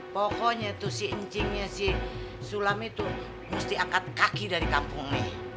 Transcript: pokoknya tuh si incingnya si sulam itu mesti angkat kaki dari kampung nih